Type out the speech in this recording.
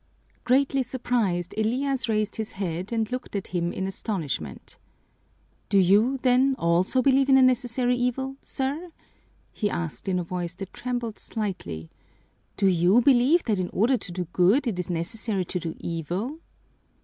Greatly surprised, Elias raised his head and looked at him in astonishment. "Do you, then, also believe in a necessary evil, sir?" he asked in a voice that trembled slightly. "Do you believe that in order to do good it is necessary to do evil?"